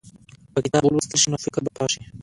که کتاب ولوستل شي، نو فکر به پراخ شي.